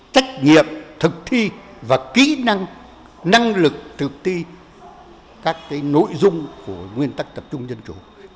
trách nhiệm thực thi và kỹ năng năng lực thực thi các cái nội dung của nguyên tắc tập trung dân chủ cả dân chủ cả tập trung